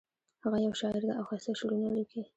هغه یو شاعر ده او ښایسته شعرونه لیکي